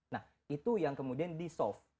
nah itu yang kemudian di soft